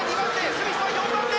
スミスは４番目。